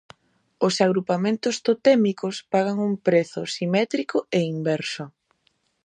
Os agrupamentos totémicos pagan un prezo simétrico e inverso.